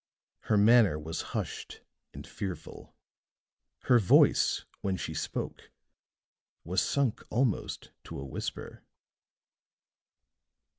Her manner was hushed and fearful; her voice, when she spoke, was sunk almost to a whisper.